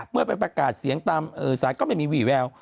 เมื่อไปประกาศเสียงตามสารก็ไม่มีวี่แวว